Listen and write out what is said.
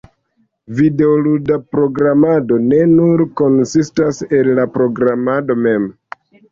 videoluda programado ne nur konsistas el la programado mem.